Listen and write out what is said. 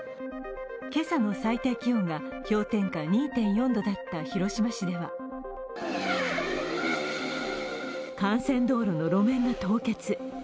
今朝の最低気温が氷点下２．４度だった広島市では幹線道路の路面が凍結。